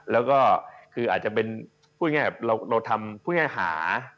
แล้วก็คืออาจจะเป็นพูดง่ายเราทำพูดง่ายหา